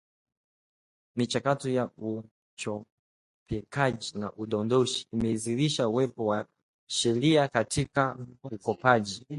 Michakato ya uchopekaji na udondoshi imedhihirisha uwepo wa Sheria katika ukopaji